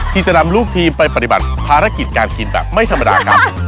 ที่จะนำลูกทีมไปปฏิบัติภารกิจการกินแบบไม่ธรรมดาครับ